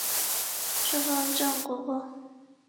初封镇国公。